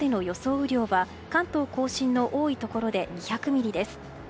雨量は関東・甲信の多いところで２００ミリです。